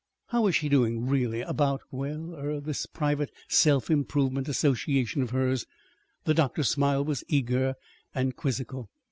"How is she doing, really, about well, er this private self improvement association of hers?" The doctor's smile was eager and quizzical.